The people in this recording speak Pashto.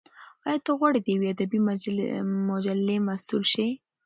ایا ته غواړې د یوې ادبي مجلې مسول شې؟